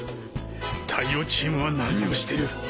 対応チームは何をしている。